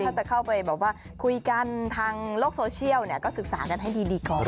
ถ้าจะเข้าไปแบบว่าคุยกันทางโลกโซเชียลเนี่ยก็ศึกษากันให้ดีก่อน